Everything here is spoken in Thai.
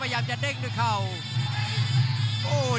กรรมการเตือนทั้งคู่ครับ๖๖กิโลกรัม